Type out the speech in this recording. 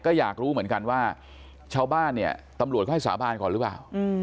ก็อยากรู้เหมือนกันว่าชาวบ้านเนี่ยตำรวจเขาให้สาบานก่อนหรือเปล่า